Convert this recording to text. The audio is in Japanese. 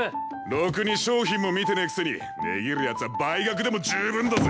ろくに商品も見てねえくせに値切るやつは倍額でも十分だぜ。